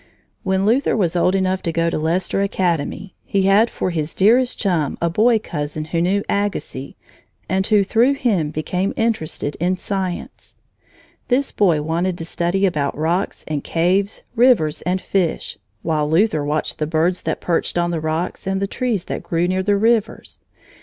When Luther was old enough to go to Leicester Academy, he had for his dearest chum a boy cousin who knew Agassiz, and who through him became interested in science. This boy wanted to study about rocks and caves, rivers and fish, while Luther watched the birds that perched on the rocks and the trees that grew near the rivers.